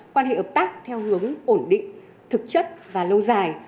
quan hệ hợp tác theo hướng ổn định thực chất và lâu dài